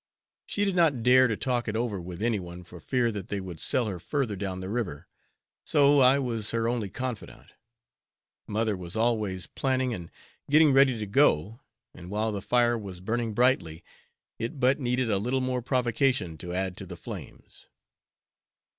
She did not dare to talk it over with anyone for fear that they would sell her further down the river, so I was her only confidant. Mother was always planning and getting ready to go, and while the fire was burning brightly, it but needed a little more provocation to add to the flames.